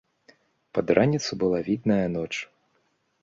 Пад раніцу была відная ноч.